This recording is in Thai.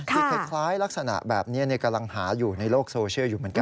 คล้ายลักษณะแบบนี้กำลังหาอยู่ในโลกโซเชียลอยู่เหมือนกัน